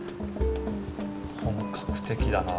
本格的だな。